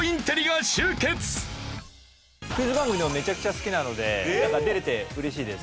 クイズ番組めちゃくちゃ好きなので出れて嬉しいです。